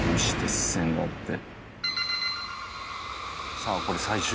さあこれ最終？